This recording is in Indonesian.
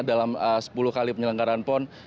dalam sepuluh kali penyelenggaran pon